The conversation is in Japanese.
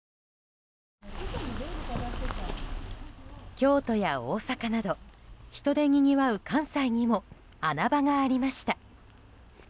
京都や大阪など人でにぎわう関西にも穴場がありました。